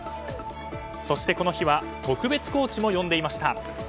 そして、この日は特別コーチも呼んでいました。